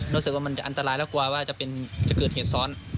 รู้สึกว่ามันจะอันตรายแล้วกลัวว่าจะเกิดเหตุซ้อน